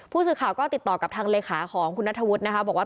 ผู้สื่อข่าวก็ติดต่อกับทางเลขาของคุณนัทธวุฒินะคะบอกว่า